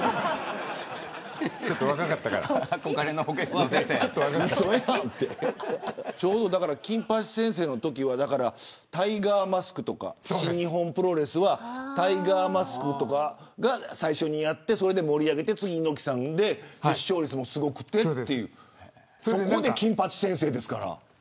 ちょっと若かったから金八先生のときはタイガーマスクとか新日本プロレスはタイガーマスクとかが最初にやって盛り上げて次に猪木さんで視聴率もすごくてっていうそこで金八先生ですから。